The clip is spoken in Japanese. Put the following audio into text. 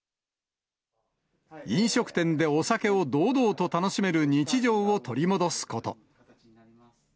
飲食店でお酒を堂々と楽しめる日常を取り戻すこと。